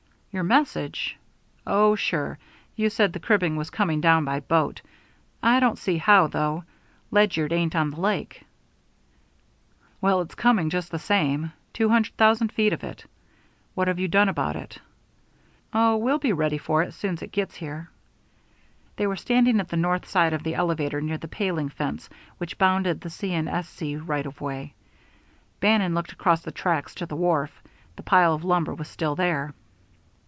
"Your message? Oh, sure. You said the cribbing was coming down by boat. I don't see how, though. Ledyard ain't on the lake." "Well, it's coming just the same, two hundred thousand feet of it. What have you done about it?" "Oh, we'll be ready for it, soon's it gets here." They were standing at the north side of the elevator near the paling fence which bounded the C. & S. C. right of way. Bannon looked across the tracks to the wharf; the pile of timber was still there.